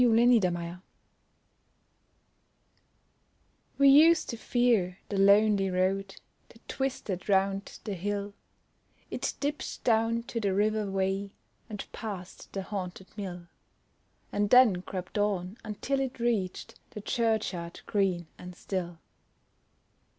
THE LONELY ROAD We used to fear the lonely road That twisted round the hill; It dipped down to the river way, And passed the haunted mill, And then crept on, until it reached The churchyard, green and still.